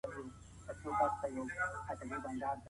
په جرګه کي صراحت او زړورتیا د بریا کيلي ده.